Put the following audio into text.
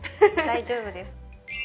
大丈夫です。